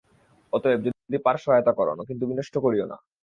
অতএব যদি পার সহায়তা কর, কিন্তু বিনষ্ট করিও না।